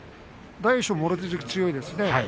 大栄翔、もろ手突き強いですね。